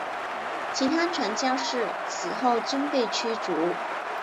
其他传教士此后均被驱逐。